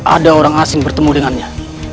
ada orang asing bertemu dengannya